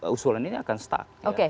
usulan ini akan stuck